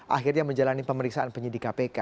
akhirnya menjalani pemeriksaan penyidik kpk